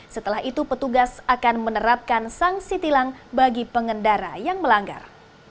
setelah itu petugas akan menerapkan sanksi tilang bagi pengendara yang melanggar